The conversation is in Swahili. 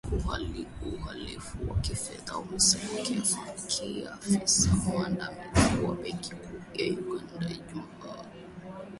uhalifu wa kifedha amesema afisa mwandamizi wa benki kuu ya Uganda Ijumaa